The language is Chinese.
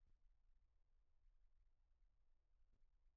不少韩国电影界人士质疑检控是出于政治报复。